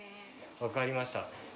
分かりました